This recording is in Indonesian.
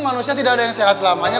manusia tidak ada yang sehat selamanya